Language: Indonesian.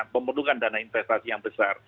memerlukan dana investasi yang besar